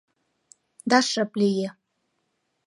Да шып лие.